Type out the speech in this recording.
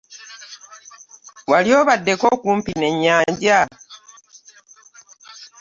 Wali obaddeko okumpi n'enyanja.